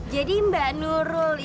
jadi mbak nurul ini